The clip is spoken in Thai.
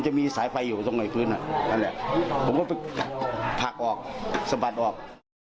จะมีสายไฟอยู่ตรงไหนพื้นนั่นแหละผมก็ไปผลักออกสะบัดออก